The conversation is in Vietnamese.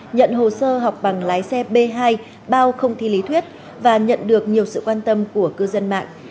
nhận hồ sơ học bằng lái xe b hai bao không thi lý thuyết và nhận được nhiều sự quan tâm của cư dân mạng